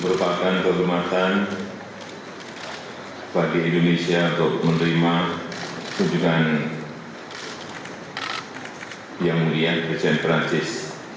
merupakan kehormatan bagi indonesia untuk menerima kunjungan yang mulia presiden perancis